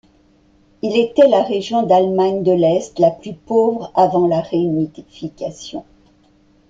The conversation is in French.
Il était la région d’Allemagne de l'Est la plus pauvre avant la réunification.